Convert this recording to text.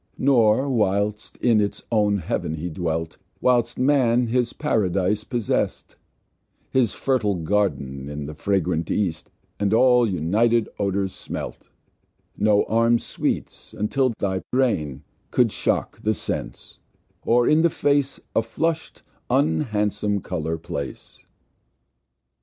[Page 90] Nor, whilst in his own Heaven he dwelt, Whilst Man his Paradice possest, His fertile Garden in the fragrant East, And all united Odours smelt, No armed Sweets, until thy Reign, Cou'd shock the Sense, or in the Face A flusht, unhandsom Colour place.